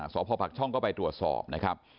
สพปักช่องก็ไปตรวจสอบนะครับ